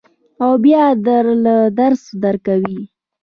او بیا در له درس درکوي.